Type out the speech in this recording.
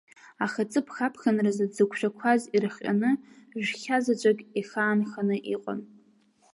Аха ҵыԥх аԥхынразы, дзықәшәақәаз ирыхҟьаны, жәхьа заҵәык иахаанханы иҟан.